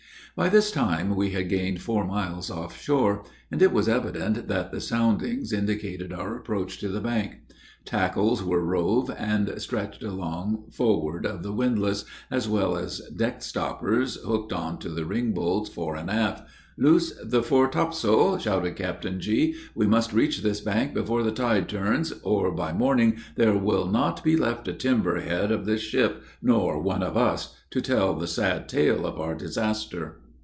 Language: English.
By this time, we had gained four miles off shore, and it was evident that the soundings indicated our approach to the bank. Tackles were rove and stretched along forward of the windlass, as well as deck stoppers hooked on to the ringbolts fore and aft. "Loose the fore topsail!" shouted Captain G., "we must reach this bank before the tide turns, or, by morning, there will not be left a timber head of this ship, nor one of us, to tell the sad tale of our disaster."